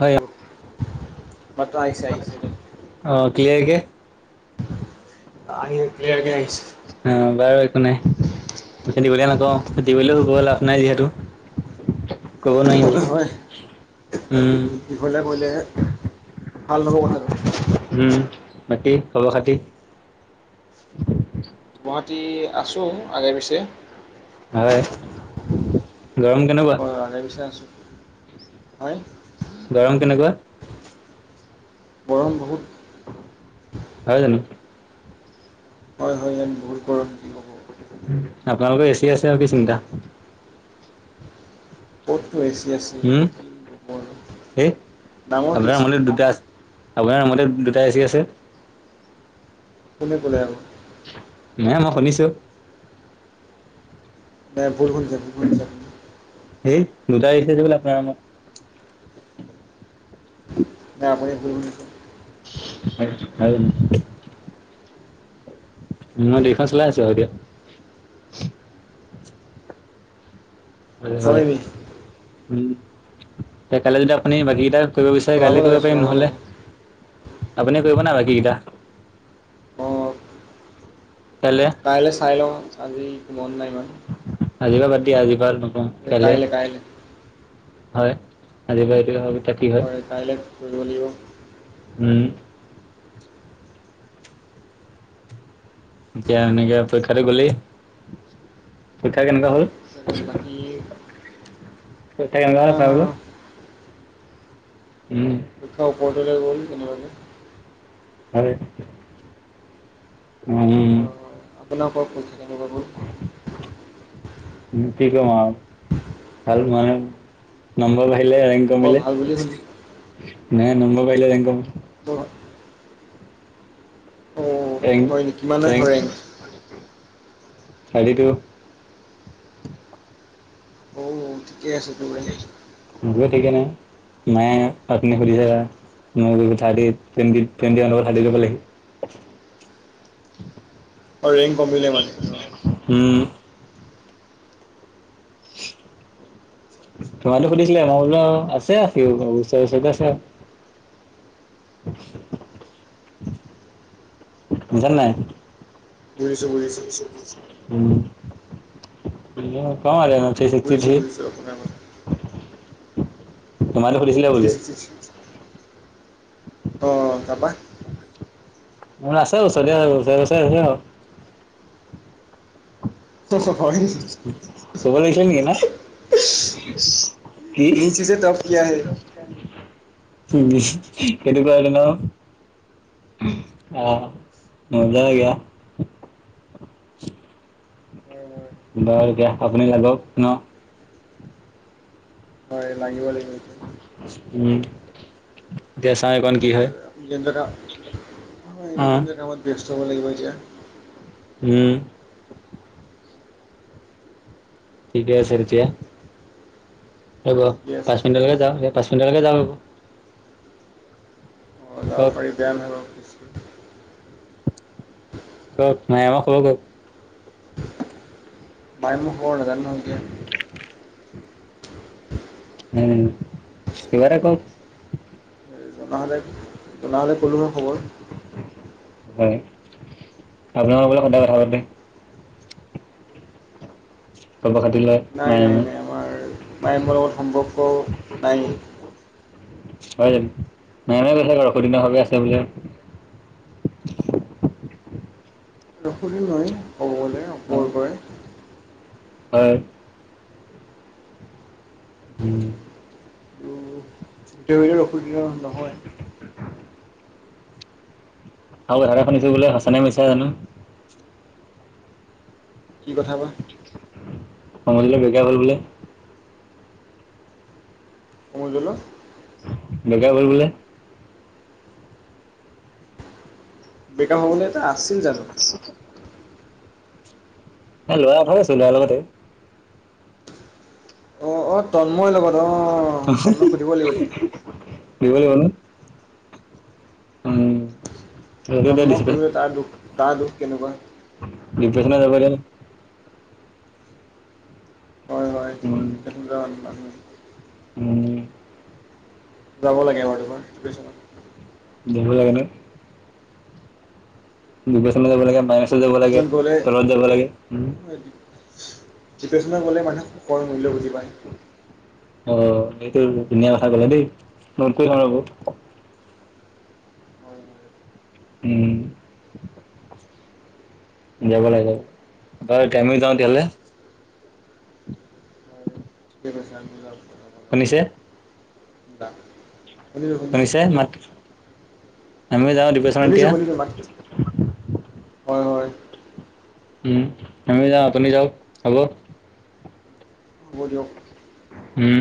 হয় অ। মাতো আহিছে আহিছে। অ‍ঁ ক্লিয়াৰকে। আই ঐ ক্লিয়াৰকে আহিছে। অঁ বাৰু একো নাই খেতি কৰিলে নাযাওঁ, খেতি কৰিলেও গৈ লাভ নাই যিহেতু। [inaudible] কব নাই আৰু উম। হলে কৰিলে ভাল ন'হব কথাটো। উম' বাকী খবৰ খাতি। গুৱাহাটী আছো আগে পিছে। হয়। গৰম কেনেকুৱা হয়, ভালে পিছে আছোঁ হয়। গৰম কেনেকুৱা? বৰম বহুত। হয় জানো? হয় হয়, ইয়াত বহুত গৰম। ক'ব আপোনালোকৰ এ চি আছে আও কি চিন্তা। ক'তনো এ চি আছে? উম' কি ক'ব আৰু এই ডাঙৰ এ আপোনা চি মানে দুটা আছে। আপোনাৰ ৰুমতে দুটা এ চি আছে। কোনে ক'লে আৰু? নাই মই শুনিছো। নাই বৰষুণ দিছে বৰষুণ দিছে। এই দুটা এই চি আছে বোলে আপোনাৰ ৰুমত। নে আপুনি ভূল বুজিছে? [unintelligible] মই দেশখন চলাই আছো আৰু দিয়া। হয় হয়, উম' কাইলে যদি আপুনি বাকীকেইটা- কৰিব বিচাৰে চলাব কাইলে লাগে কৰিব পাৰিম চলাব নহ'লে, লাগে আপুনি কৰিব নি বাকীকেইটা। কাইলে। কাইলে চাই লওঁ আজি মন নাই ইমান। আজিপা বাদ দিয়া, আজিপা নকওং এই কাইলে- কাইলৈ কাইলৈ হয়, আজি পৰা এইটোৱে ভাবি থাক কি হয়? কাইলে কৰিব লাগিব। উম' এতিয়া এনেকে পৰীক্ষাতো গ'লেই। পৰীক্ষা কেনেকুৱা হল? বাকী পৰীক্ষা কেনেুৱা পৰীক্ষা হল কোৱা আকউ। উম পৰীক্ষা ওপৰ তেলে গ'ল কেনেবাকে। পাৰে উম আপোনা কক কোন কি কম আৰু ভাল হোৱা নাই নম্বৰ বাহিলে মই কমিলে। ভাল বুলি শুনিলোঁ নাই নম্বৰ বাহিলে ৰেং মই অঁ ৰেং হয় নেকি কিমান ৰেং হয় ৰেংক আইডিটো অঁ ঠিকে আছে তো বো ঠিকে নাই মাই তুমি সুধিছা থাৰ্টি টোৱেনটি টোৱেনটো ওৱান পা থাৰ্টি ঘৰ পালেহি অ ৰেং কমিলে মানে অঁ উম আচ্ছা আচ্ছা তোমাতো সুধিছিলে মই বোলো আছে সিও ওচৰ ওচৰকে আছে। বুজা নাই। বুজিছো বুজিছো। উম কম আৰু থ্ৰী ছিক্সটি বুজিছো থ্ৰী বুজিছো আপোনৰ কথা। তুমাতো সুধিছিলে থ্ৰী বোলো। ছিক্সটি অ তাপা আছে ওচৰতে, উচৰে উচৰে আছে আউ তো হয়য়ে কব লাগিছিলে নেকি না। কি? নীচ ইছে টপ কিয়া হে কেনেকুৱা আৰু ন অ মজা লাগে হয় হয় বাৰু এতিয়া আপুনি লাগক ন হয় লাগিব লাগিব। উম এতিয়া চাওঁ এঅকণ কি হয়। যন্ত্ৰণা অ কামত ব্যস্ত হ'ব লাগিব এতিয়া। উম ঠিকে আছে তেতিয়া হ'ব ঠিকে আছে পাঁচ ঠিকে মিনিটলৈকে আছে যাওঁ, পাঁচ মিনিটলৈকে যাওঁ। অ কওক পাৰি। বেয়া নহয় বাও। কওক মায়েংৰ খবৰ কওক। পায়েমৰ খবৰ নেজানো নহয় এতিয়া উম কিবা এটা কওঁক জনা হ'লে জনা হ'লে ক'লো হয় খবৰ হয় আপোনাৰ লগত বোলে সদায় কথা পাতে খবৰ খাতি লে নাই নাই নাই আমাৰ প্ৰায়মৰ লগত সম্পৰ্ক নাই হয় জানো আছে বোলে ৰাখিলো হয় কব গলে অঁ উপৰে উপৰে হয় উম [unintelligible] অসুবিধা নহয়। আৰু কথা এটা শুনিছোঁ বোলে সঁচা নে মিছা জানো! কি কথা বা? সমজুলৰ [unintelligible] হ'ল বোলে? সমজুলৰ? বেকাব হ'ল বোলে? বেকাব হ'বলৈ তাৰ আছিল জানো? এ ল'ৰা [unintelligible] আছিল, তাৰ লগতে অ', অ', তন্ময় লগত অ', তন্ময়ক সুধিব লাগিব তেতি [inaudible] উম। সেইটো এতিয়া তন্ময়ক ডিপ্ৰে সুধিবলৈ তাৰ দুখ তাৰ দুখ কেনেকুৱা? ডিপ্ৰেশছন [unintelligible] হয় উম, [inaudible] উম। যাব লাগে এবাৰ দুবাৰ [unintelligible] [inaudible] ডিপ্ৰেছন যাব লাগে যাব লাগে কিছুমান ক'লে তলত যাব লাগে উম, ডিপ্ৰেশ্যনত গ'লে মানু্হে সুখৰ মূল্য বুজি পায়। অ', এইটো ধুনীয়া কথা ক'লা দেই, [unintelligible] আকৌ। হয়, হয়। উম। যাব লাগে, [unintelligible] যাওঁ তেতিয়াহ'লে। [inaudible] শুনিছে? [inaudible] শুনিছে মাতটো? আমিও যাওঁ দিব শুনিছোঁ, শুনিছোঁ মাত। হয়, হয়। উম, আমি যাওঁ আপুনি যাওঁক হ'ব। হ'ব দিয়ক। উম।